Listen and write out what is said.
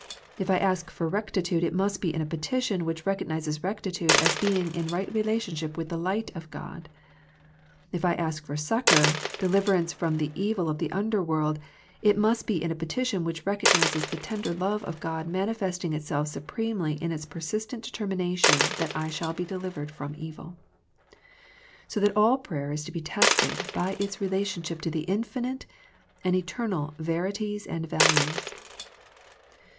If I ask for rectitude it must be in a petition which recog nizes rectitude as being in right relationship with the light of God. If I ask for succour, deliver ance from the evil of the under world, it must be in a petition which recognizes the tender love of God manifesting itself supremely in its persistent determination that I shall be delivered from evil. So that all prayer is to be tested by its relation ship to the infinite and eternal verities and values.